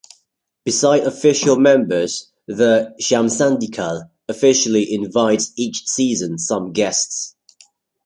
Beside official members, the "Chambre syndicale" officially "invites" each season some "guests.